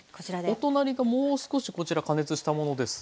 お隣がもう少しこちら加熱したものです。